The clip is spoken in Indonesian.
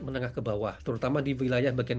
menengah ke bawah terutama di wilayah bagian